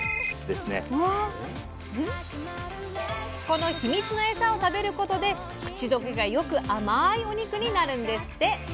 このヒミツのエサを食べることで口どけがよく甘いお肉になるんですって！